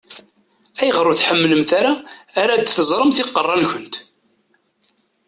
Ayɣer ur tḥemmlemt ara ad teṛṛẓemt iqeṛṛa-nkent?